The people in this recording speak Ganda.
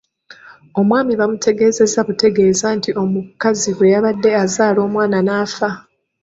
Omwami baamutegeezanga butegeeza nti omukazi bwe yabadde azaala omwana n’afa.